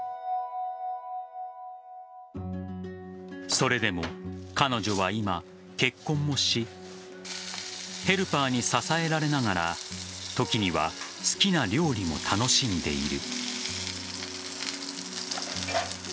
それでも彼女は今結婚もしヘルパーに支えられながら時には好きな料理も楽しんでいる。